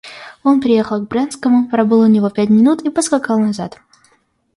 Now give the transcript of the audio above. Он приехал к Брянскому, пробыл у него пять минут и поскакал назад.